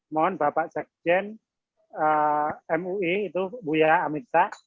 mohon bapak sekjen mui itu buya amirsa